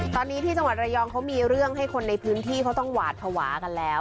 ตอนนี้ที่จังหวัดระยองเขามีเรื่องให้คนในพื้นที่เขาต้องหวาดภาวะกันแล้ว